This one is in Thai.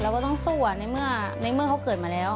ก็ต้องสู้ในเมื่อเขาเกิดมาแล้ว